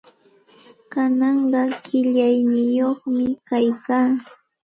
Kananqa qillayniyuqmi kaykaa.